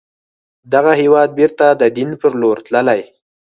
دغه هېواد بیرته د دين پر لور تللی